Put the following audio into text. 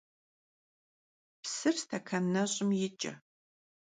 Psır stekan neş'ım yiç'e.